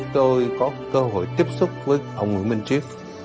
tôi có cơ hội tiếp xúc với ông nguyễn minh triết